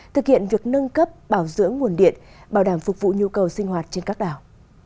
thực hiện việc nâng cấp bảo dưỡng nguồn điện bảo đảm phục vụ nhu cầu sinh hoạt trên các đảo